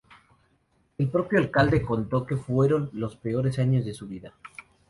El propio alcalde contó que fueron los peores años de su vida.